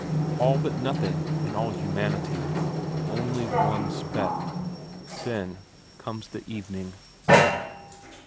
All but nothing in all humanity, only one speck. Then comes the evening.